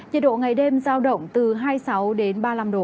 nhiệt độ ngày đêm giao động từ hai mươi sáu đến ba mươi năm độ